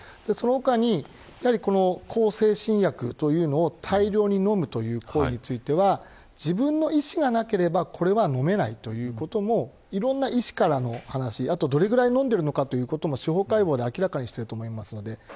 その他に、向精神薬というのを大量に飲むという行為については自分の意思がなければこれは飲めないということもいろんな医師からの話、あとどのぐらい飲んでいるのか司法解剖で明らかにしていると思います。